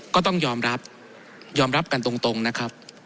ก็ต้องยอมรับยอมรับกันตรงนะครับ